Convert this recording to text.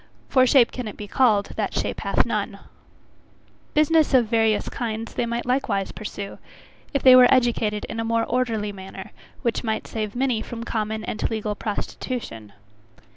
For shape can it be called, "that shape hath none?" Business of various kinds, they might likewise pursue, if they were educated in a more orderly manner, which might save many from common and legal prostitution.